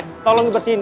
eh tolong dibersihin ya